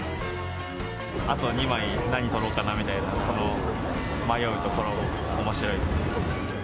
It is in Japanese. あと２枚、何撮ろうかなみたいな、迷うところもおもしろい。